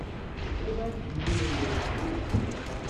Tebɣiḍ ad k-d-iniɣ iwacu?